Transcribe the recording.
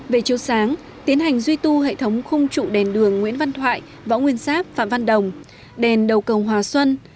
về chiều sáng tiến hành duy tu hệ thống khung trụ đèn đường nguyễn văn thoại võ nguyên giáp phạm văn đồng đèn đầu cầu hòa xuân